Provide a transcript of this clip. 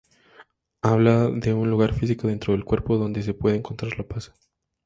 Habla de un lugar físico dentro del cuerpo donde se puede encontrar la paz.